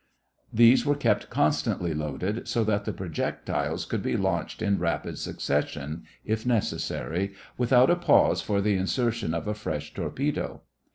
These were kept constantly loaded, so that the projectiles could be launched in rapid succession, if necessary, without a pause for the insertion of a fresh torpedo.